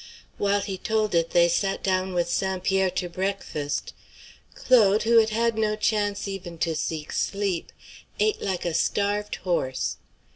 While he told it, they sat down with St. Pierre to breakfast. Claude, who had had no chance even to seek sleep, ate like a starved horse.